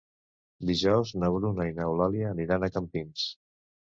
Dijous na Bruna i n'Eulàlia aniran a Campins.